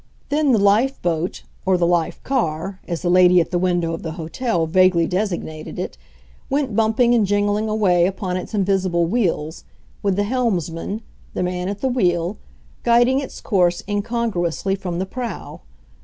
Then the life boat—or the life car, as the lady at the window of the hotel vaguely designated it—went bumping and jingling away upon its invisible wheels, with the helmsman (the man at the wheel) guiding its course incongruously from the prow.